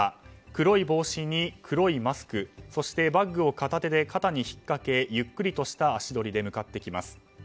黒い帽子に黒いマスクそしてバッグを片手で肩に引っかけ、ゆっくりとした足取りで向ってきます。